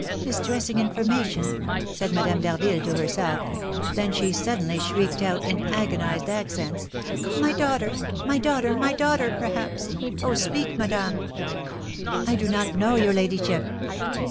"Distressing information!" said Madame d'Harville to herself; then she suddenly shrieked out, in agonised accents, "My daughter, my daughter, my daughter, perhaps! Oh, speak, madame!" "I do not know, your ladyship."